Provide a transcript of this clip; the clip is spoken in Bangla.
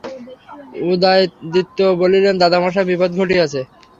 উদয়াদিত্য বলিলেন, দাদামহাশয়, বিপদ ঘটিয়াছে।